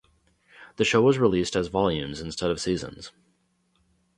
The show was released as volumes instead of seasons.